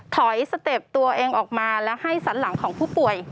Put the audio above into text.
สเต็ปตัวเองออกมาแล้วให้สันหลังของผู้ป่วย